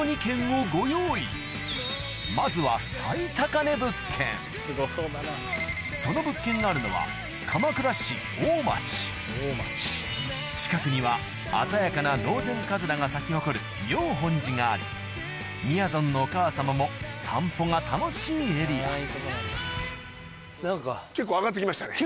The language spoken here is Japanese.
まずはその物件があるのは近くには鮮やかなノウゼンカズラが咲き誇る妙本寺がありみやぞんのお母様も散歩が楽しいエリア結構上がって来ましたね。